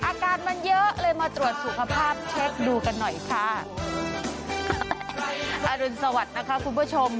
อาการมันเยอะเลยมาตรวจสุขภาพเช็คดูกันหน่อยค่ะอรุณสวัสดิ์นะคะคุณผู้ชม